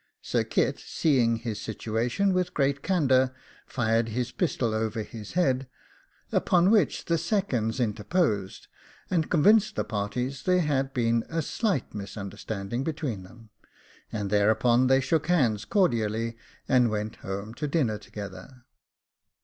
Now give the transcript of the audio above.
Sir Kit, seeing his situation, with great candour fired his pistol over his head; upon which the seconds interposed, and convinced the parties there had been a slight misunderstanding between them: thereupon they shook hands cordially, and went home to dinner together.